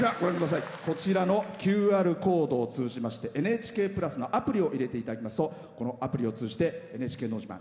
こちらのＱＲコードを通じまして「ＮＨＫプラス」のアプリを入れていただきますとアプリを通じて「ＮＨＫのど自慢」